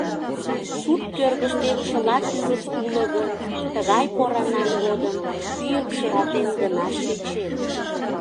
Сурт кӧргыштет чыла тӱрыс уло гын, тыгай поранан годым пӱйым шыратен гына шинчет.